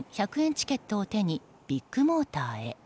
チケットを手にビッグモーターへ。